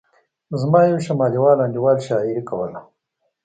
زما یو شمالي وال انډیوال شاعري کوله.